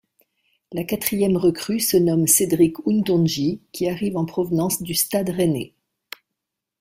La quatrième recrue se nomme Cédric Hountondji qui arrive en provenance du Stade rennais.